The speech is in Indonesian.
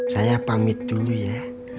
saya pamit dulu ya